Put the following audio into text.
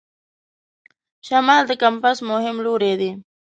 شمال د کمپاس مهم لوری دی.